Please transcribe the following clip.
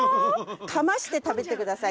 “かまして”食べてください。